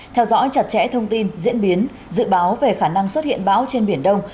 theo dõi chặt chẽ thông tin diễn biến dự báo về khả năng xuất hiện bão trên biển đông